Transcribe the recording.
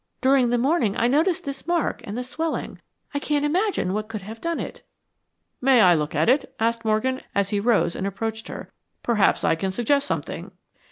During the morning I noticed this mark and the swelling. I can't imagine what could have done it." "May I look at it?" asked Morgan, as he rose and approached her. "Perhaps I can suggest something."